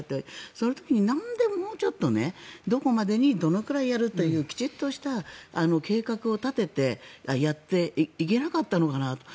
その時になんでもうちょっとどこまでにどのくらいやるっていうきちっとした計画を立ててやっていけなかったのかなと。